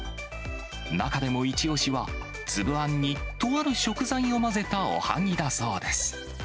中でも一押しは、粒あんにとある食材を混ぜたおはぎだそうです。